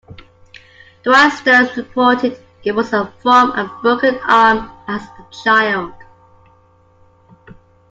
Dwight Stones reported it was from a broken arm as a child.